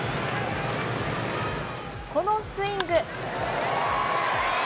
このスイング。